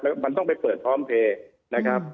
มันต้องไปเปิดพร้อมเพลย์นะครับ